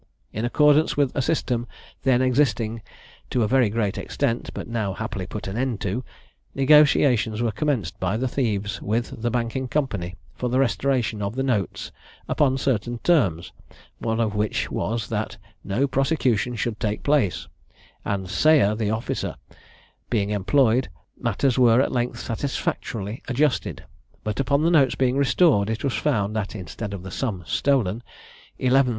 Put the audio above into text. In accordance with a system then existing to a very great extent, but now, happily, put an end to, negotiations were commenced by the thieves with the banking company for the restoration of the notes upon certain terms, one of which was, that no prosecution should take place; and Sayer, the officer, being employed, matters were at length satisfactorily adjusted; but upon the notes being restored, it was found, that instead of the sum stolen, 11,041_l.